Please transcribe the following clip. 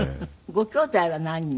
ごきょうだいは何人？